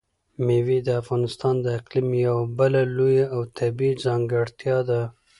مېوې د افغانستان د اقلیم یوه بله لویه او طبیعي ځانګړتیا ده.